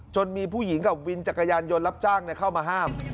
มีผู้หญิงกับวินจักรยานยนต์รับจ้างเข้ามาห้าม